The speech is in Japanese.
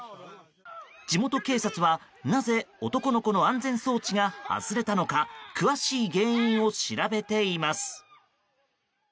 地元警察は、なぜ男の子の安全装置が外れたのか詳しい原因を調べています。